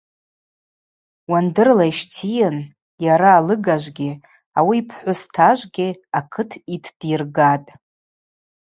Уандырла йщтийын йара алыгажвгьи ауи йпхӏвыс тажвгьи акыт йтдйыргатӏ.